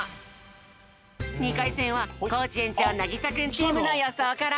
２かいせんはコージ園長なぎさくんチームのよそうから！